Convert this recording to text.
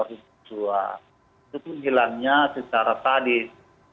itu hilangnya secara tadis